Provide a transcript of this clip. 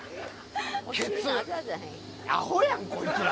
アホやん、こいつら。